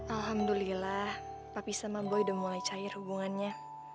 alhamdulillah papa sama boy udah mulai cair hubungannya